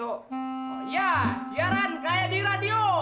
oh iya siaran kayak di radio